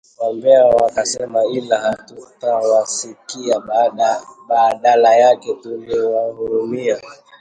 wambea wakasema ila hatukuwasikia badala yake tuliwahurumia